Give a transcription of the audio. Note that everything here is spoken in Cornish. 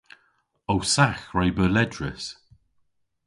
Ow sagh re beu ledrys.